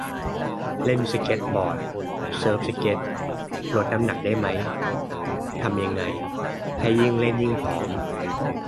เล่นสเกตบอร์ด เซิร์ฟสเกต ลดน้ำหนักได้ไหม ทำยังไงให้ยิ่งเล่นยิ่งผอม